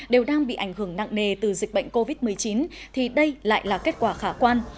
đều đang bị ảnh hưởng nặng nề từ dịch bệnh covid một mươi chín thì đây lại là kết quả khả quan